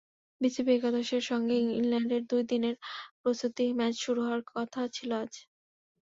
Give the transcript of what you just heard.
BCB একাদশের সঙ্গে ইংল্যান্ডের দুই দিনের প্রস্তুতি ম্যাচ শুরু হওয়ার কথা ছিল আজ।